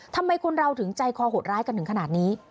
ทำไมคนเราถึงใจคอหดร้ายกันถึงขนาดนี้